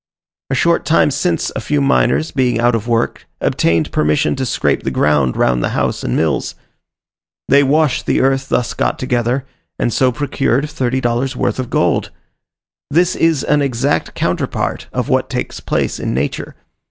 A short time since a few miners, being out of work, obtained permission to scrape the ground round the house and mills; they washed the earth thus got together, and so procured thirty dollars' worth of gold. This is an exact counterpart of what takes place in nature.